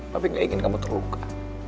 tapi gak ingin kamu terluka